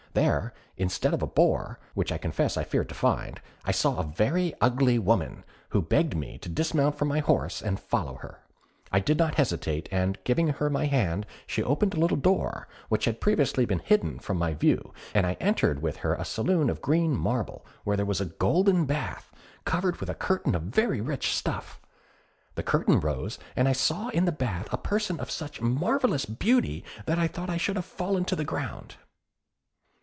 There, instead of the boar, which I confess I feared to find, I saw a very ugly woman, who begged me to dismount from my horse and follow her. I did not hesitate, and giving her my hand, she opened a little door which had previously been hidden from my view, and I entered with her a saloon of green marble, where there was a golden bath, covered with a curtain of very rich stuff; the curtain rose, and I saw in the bath a person of such marvellous beauty that I thought I should have fallen to the ground.